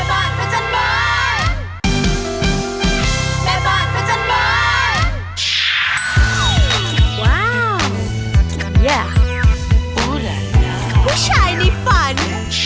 ผู้ชายในฝัน